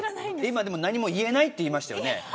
今、何も言えないって言いましたよね。